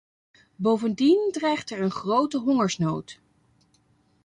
Bovendien dreigt er een grote hongersnood.